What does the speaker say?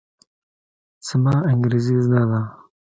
زما انګرېزي زده ده.